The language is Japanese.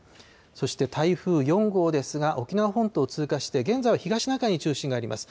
そして台風４号ですが、沖縄本島を通過して、現在、東シナ海に中心があります。